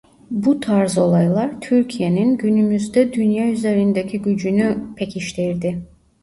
Bu tarz olaylar Türkiye'nin günümüzde dünya üzerindeki gücünü pekiştirdi.